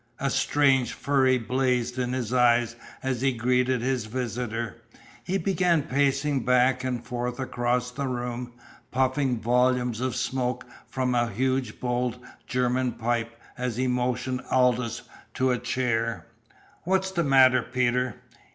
A strange fury blazed in his eyes as he greeted his visitor. He began pacing back and forth across the room, puffing volumes of smoke from a huge bowled German pipe as he motioned Aldous to a chair. "What's the matter, Peter?"